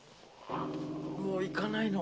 もう行かないの。